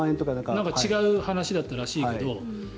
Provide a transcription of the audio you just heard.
なんか違う話だったらしいけど。